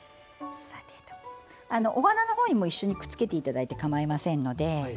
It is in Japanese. お花のほうにも一緒にくっつけていただいても構いません。